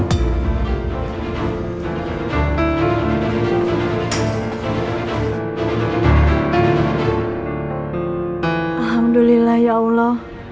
alhamdulillah ya allah